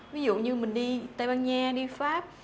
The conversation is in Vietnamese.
ví dụ như mình đi tây ban nha đi pháp